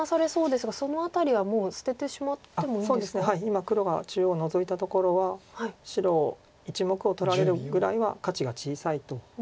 今黒が中央ノゾいたところは白１目を取られるぐらいは価値が小さいと。